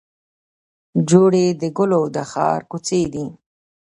جوړې د ګلو د ښار کوڅې دي